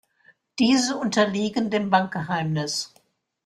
Diese unterliegen dem Bankgeheimnis.